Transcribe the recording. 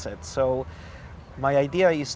jadi ide saya adalah